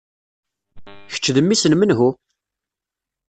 Kečč d mmi-s n menhu?